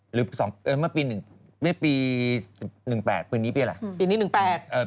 หรือเมื่อปีปี๑๘ปีนี้ปีอะไรปีนี้๑๘